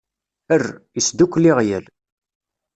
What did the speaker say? "Err!" isdukkel iɣwyal.